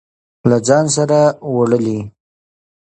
له ځان سره وړلې.